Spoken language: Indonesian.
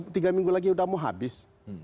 tiga minggu lagi udah mau habis